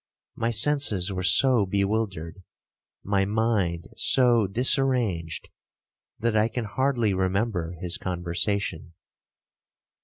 My senses were so bewildered, my mind so disarranged, that I can hardly remember his conversation.